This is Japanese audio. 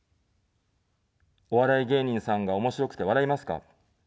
お笑い芸人さんがおもしろくて笑いますか。